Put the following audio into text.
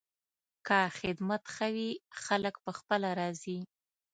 که خدمت ښه وي، خلک پخپله راځي.